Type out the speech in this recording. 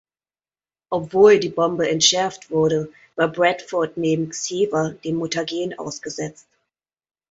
Obwohl die Bombe entschärft wurde, war Bradford neben Xever dem Mutagen ausgesetzt.